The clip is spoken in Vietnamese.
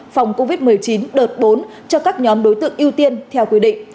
phòng covid một mươi chín đợt bốn cho các nhóm đối tượng ưu tiên theo quy định